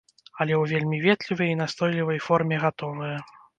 Але ў вельмі ветлівай і настойлівай форме гатовая.